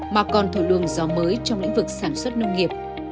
mà còn thổi lường gió mới trong lĩnh vực sản xuất nông nghiệp